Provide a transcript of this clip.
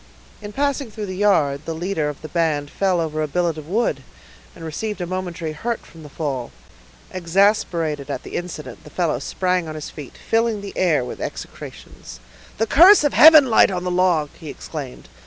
In passing through the yard, the leader of the band fell over a billet of wood, and received a momentary hurt from the fall; exasperated at the incident, the fellow sprang on his feet, filling the air with execrations. "The curse of heaven light on the log!" he exclaimed.